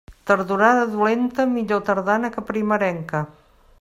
Tardorada dolenta, millor tardana que primerenca.